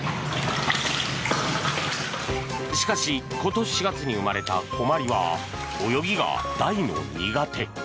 しかし今年４月に生まれたこまりは、泳ぎが大の苦手。